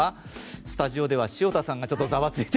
スタジオでは潮田さんがちょっとざわついて。